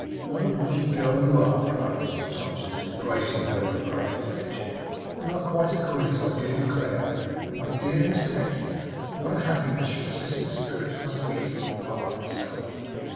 'What a wicked girl you are!' cried Mrs Todgers, embracing her with great affection. 'You are quite a quiz, I do declare! My dear Miss Pecksniff, what a happiness your sister's spirits must be to your pa and self!